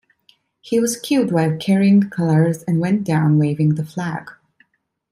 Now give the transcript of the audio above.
He was killed while carrying the colors and went down waving the flag.